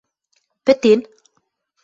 — Пӹтен?